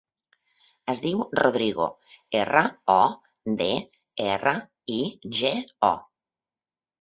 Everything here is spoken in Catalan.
Es diu Rodrigo: erra, o, de, erra, i, ge, o.